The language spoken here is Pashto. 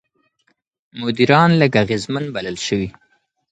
مدیران لږ اغېزمن بلل شوي.